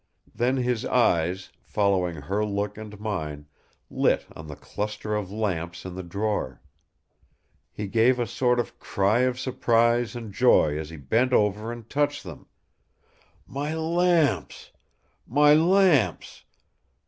Then his eyes, following her look and mine, lit on the cluster of lamps in the drawer. He gave a sort of cry of surprise and joy as he bent over and touched them: "My lamps! My lamps!